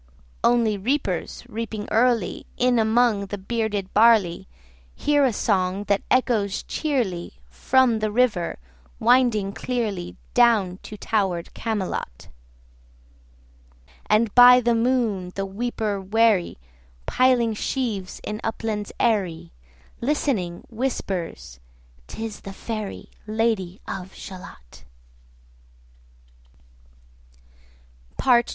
Only reapers, reaping early In among the bearded barley, Hear a song that echoes cheerly 30 From the river winding clearly, Down to tower'd Camelot: And by the moon the reaper weary, Piling sheaves in uplands airy, Listening, whispers "Tis the fairy 35 Lady of Shalott.